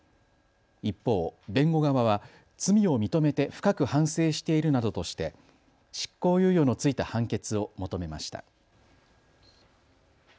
一方、弁護側は罪を認めて深く反省しているなどとして執行猶予の付いた判決を求めました。